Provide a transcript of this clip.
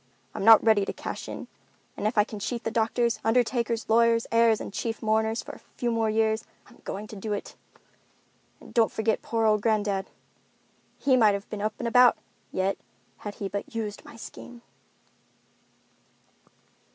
I'm not ready to cash in, and if I can cheat the doctors, undertakers, lawyers, heirs, and chief mourners for a few more years, I'm going to do it. And don't forget poor old granddad. He might have been up and about yet had he but used my scheme."